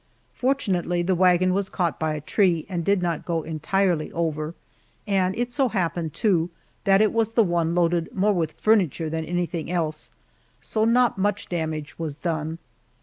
Fortunately the wagon was caught by a tree and did not go entirely over, and it so happened, too, that it was the one loaded more with furniture than anything else, so not much damage was done.